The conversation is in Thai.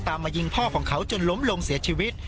มายิงพ่อของเขาจนล้มลงเสียชีวิต